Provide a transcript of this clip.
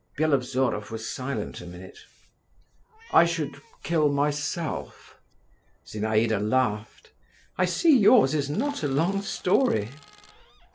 Byelovzorov was silent a minute. "I should kill myself…." Zinaïda laughed. "I see yours is not a long story."